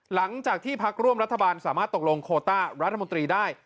หลังจากที่พักร่วมรัฐบาลสามารถตกลงโคต้ารัฐมนตรีได้